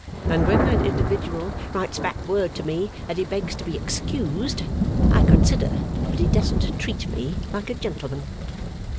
and when that individual writes back word to me that he begs to be excused, I consider that he doesn't treat me like a gentleman.